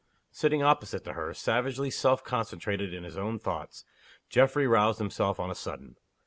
Sitting opposite to her, savagely self concentrated in his own thoughts, Geoffrey roused himself on a sudden.